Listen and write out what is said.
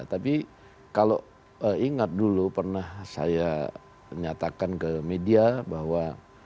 tapi kalau ingat dulu pernah saya nyatakan ke media bahwa